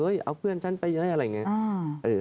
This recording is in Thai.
เอาเพื่อนฉันไปอะไรเงี้ย